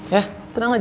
yah tenang aja